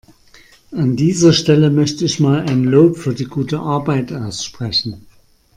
An dieser Stelle möchte ich mal ein Lob für die gute Arbeit aussprechen.